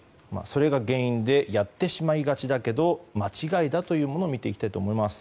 それが原因でやってしまいがちだけど間違いだというものを見ていきたいと思います。